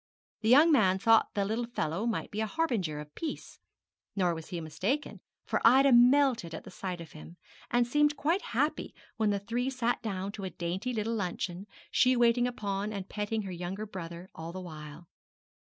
The young man thought the little fellow might be a harbinger of peace nor was he mistaken, for Ida melted at sight of him, and seemed quite happy when they three sat down to a dainty little luncheon, she waiting upon and petting her young brother all the while.